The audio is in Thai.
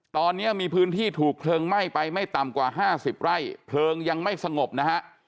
ตอนนี้มีพื้นที่ถูกเพลิงไหม้ไปไม่ต่ำกว่า๕๐ไร่เพลิงยังไม่สงบนะฮะ